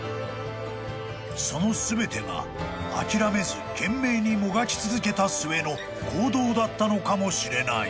［その全てが諦めず懸命にもがき続けた末の行動だったのかもしれない］